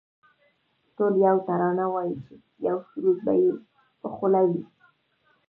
ټول یوه ترانه وایی یو سرود به یې په خوله وي